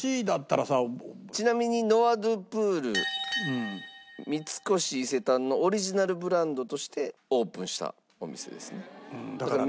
ちなみにノワ・ドゥ・ブール三越伊勢丹のオリジナルブランドとしてオープンしたお店ですね。